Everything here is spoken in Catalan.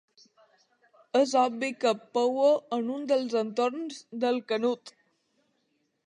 És obvi que pouo en un dels entorns del Canut.